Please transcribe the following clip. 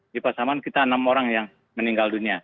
di pasaman kita enam orang yang meninggal dunia